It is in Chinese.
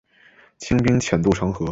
清兵潜渡城河。